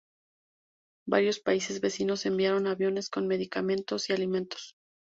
Varios países vecinos enviaron aviones con medicamentos y alimentos.